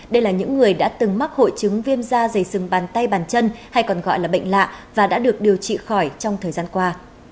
đây là những người đã từng mắc hội chứng viêm da dày sừng bàn tay bàn chân hay còn gọi là bệnh lạ và đã được điều trị khỏi trong thời gian qua